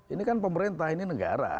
ini kan pemerintah ini negara